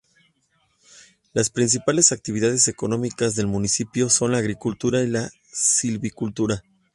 Las principales actividades económicas del municipio son la agricultura y la silvicultura.